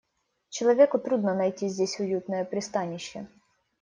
Человеку трудно найти здесь уютное пристанище.